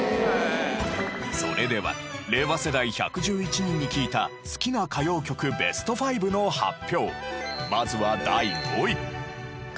それでは令和世代１１１人に聞いた好きな歌謡曲ベスト５の発表。